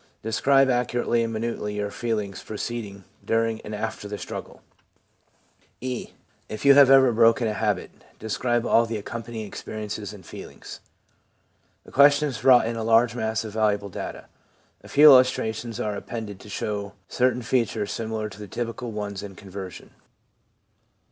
Describe accurately and minutely your feelings pre ceding, during, and after the struggle? i35 136 THE PSYCHOLOGY OF RELIGION C (V) If you have ever broken a habit, describe all the accompanying experiences and feelings/ The questions brought in a large mass of valuable data. A few illustrations are appended to show certain features similar to the typical ones in conversion.